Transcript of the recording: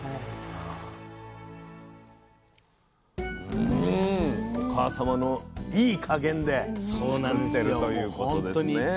うんお母様のいい加減で作ってるということですね。